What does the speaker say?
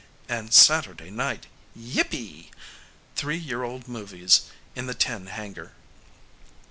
And Saturday night yippee! three year old movies in the tin hangar.